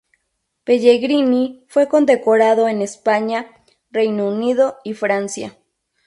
Pellegrini fue condecorado en España, Reino Unido y Francia.